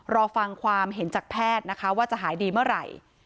รอฟังความเห็นจากแพทย์นะคะว่าจะหายดีเมื่อไหร่